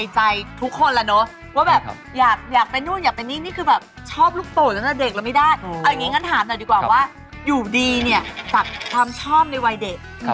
จากความชอบในวัยเด็ก